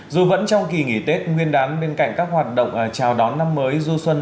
dù vẫn trong kỳ nghỉ tết nguyên đán bên cạnh các hoạt động chào đón năm mới du xuân